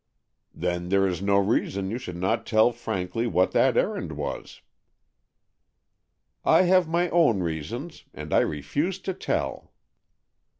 "Then, there is no reason you should not tell frankly what that errand was." "I have my own reasons, and I refuse to tell."